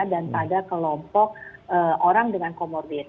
dan pada kelompok orang dengan comorbid